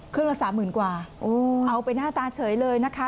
ครึ่งละ๓๐๐๐๐กว่าเอาไปหน้าตาเฉยเลยนะคะ